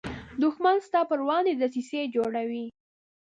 دښمن ستا پر وړاندې دسیسې جوړوي